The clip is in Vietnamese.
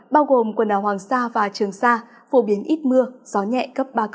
bao gồm quần đảo hoàng sa và trường sa phổ biến ít mưa gió nhẹ cấp ba bốn